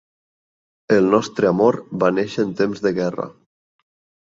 El nostre amor va néixer en temps de guerra